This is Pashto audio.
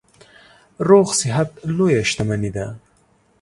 روغ صحت لویه شتنمي ده.